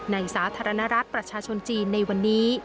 สาธารณรัฐประชาชนจีนในวันนี้